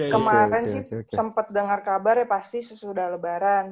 kemaren sih sempet dengar kabar ya pasti sudah lebaran